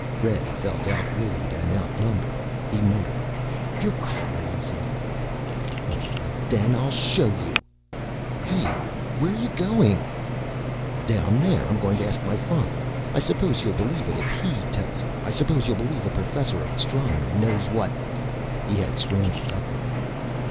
Red felt outweighed and outnumbered. He muttered, "You're crazy!" "All right, then. I'll show you." "Hey! Where are you going?" "Down there. I'm going to ask my father. I suppose you'll believe it if he tells you. I suppose you'll believe a Professor of Astronomy knows what " He had scrambled upright.